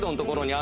あ！